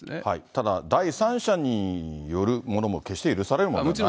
ただ、第三者によるものも決して許されるものではないですね。